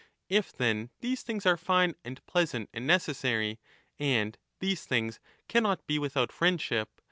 If. then, these things are fine and pleasant and 3° necessary, and these things cannot be without friendship.